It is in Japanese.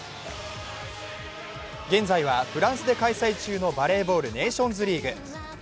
現在はフランスで開催中のバレーボール・ネーションズリーグ。